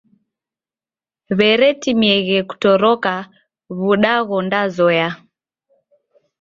W'eretimieghe kutoroka w'uda ghondazoya.